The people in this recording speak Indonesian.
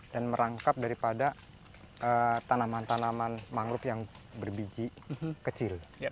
dan merangkap daripada tanaman tanaman mangrove yang berbiji